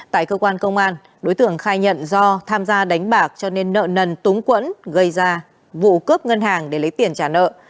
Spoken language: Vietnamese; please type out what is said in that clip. tại cơ quan công an đối tượng khai nhận do tham gia đánh bạc cho nên nợ nần túng quẫn gây ra vụ cướp ngân hàng để lấy tiền trả nợ